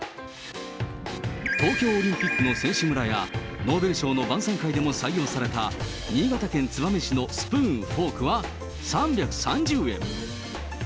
東京オリンピックの選手村や、ノーベル賞の晩さん会でも採用された新潟県燕市のスプーン、フォークは３３０円。